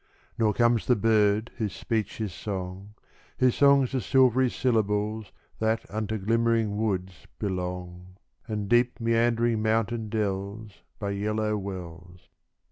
Nor comes the bird whose speech is song Whose songs are silvery syllables That unto glimmering woods belong, And deep, meandering mountain dells By yellow wells.